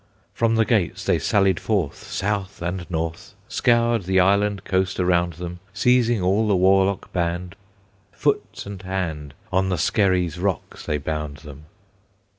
From the gates they sallied forth, South and north, Scoured the island coast around them, Seizing all the warlock band, Foot and hand On the Skerry's rocks they bound them.